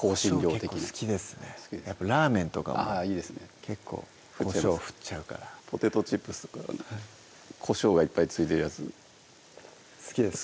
こしょう結構好きですねやっぱラーメンとかも結構こしょう振っちゃうからポテトチップスとかこしょうがいっぱい付いてるやつ好きですか？